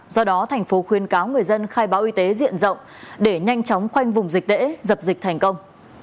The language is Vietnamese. do đó thành phố khuyên cáo người dân khai báo y tế diện rộng để nhanh chóng khoanh vùng dịch tễ dập dịch thành công